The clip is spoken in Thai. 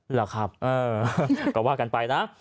เหรอครับก็ว่ากันไปนะ